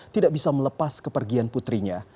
tidak bisa melepas kepergian putrinya